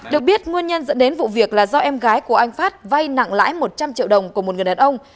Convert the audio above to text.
được biết nguyên nhân dẫn đến vụ việc là do em gái của anh phát vay nặng lãi một trăm linh triệu đồng của một người đàn ông